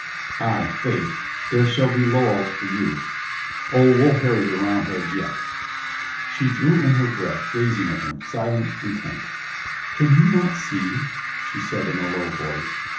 "Ay, faith, there shall be laurels for you. O, we'll harry the Roundheads yet." She drew in her breath, gazing at him, silent, intent. "Can you not see?" she said in a low voice.